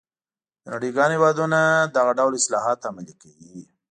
د نړۍ ګڼ هېوادونه دغه ډول اصلاحات عملي کوي.